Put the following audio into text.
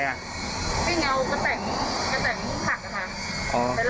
พี่เอากระแต่งผู้ผักอ่ะค่ะไปลาด